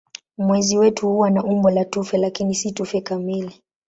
Mwezi wetu huwa na umbo la tufe lakini si tufe kamili.